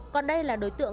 còn đây là đối tượng